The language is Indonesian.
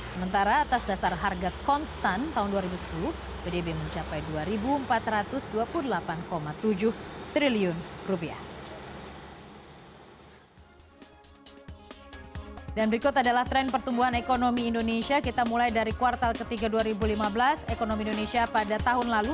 sementara atas dasar harga konstan tahun dua ribu sepuluh pdb mencapai dua empat ratus dua puluh delapan tujuh triliun